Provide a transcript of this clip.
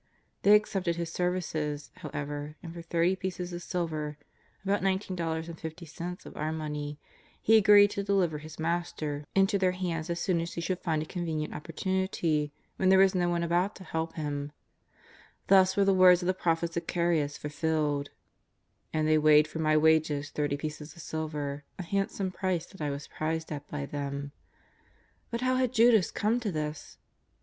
They accepted his services, how ever, and for thirty pieces of silver, about $19.50 of our money, he agreed to deliver his Master into their 322 JESUS OF NAZAEETH. 323 hands as soon as he should find a convenient opportu nity when there was no one about to help Him. Thus were the words of the prophet Zacharias fulfilled : ^^And they weighed for my wages thirty pieces of silver, a handsome price that I was prized at by them/' How had Judas come to this